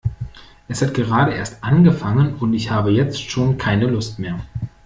Es hat gerade erst angefangen und ich habe jetzt schon keine Lust mehr.